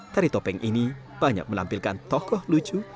tari topeng ini banyak menampilkan tokoh lucu